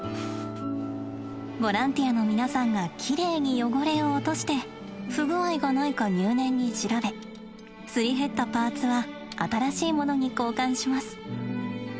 ボランティアの皆さんがきれいに汚れを落として不具合がないか入念に調べすり減ったパーツは新しいものに交換します。